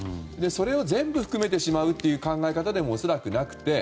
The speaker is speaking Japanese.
それを全部含めてしまうという考え方でも恐らくなくて。